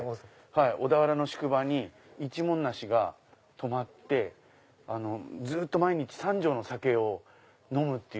小田原の宿場に一文無しが泊まってずっと毎日３升の酒を飲むっていう。